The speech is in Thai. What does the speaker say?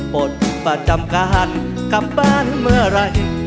ปลดประจำการกลับบ้านเมื่อไหร่